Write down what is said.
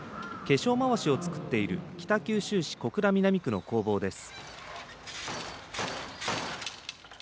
化粧まわしを作っている北九州市小倉南区の工房です。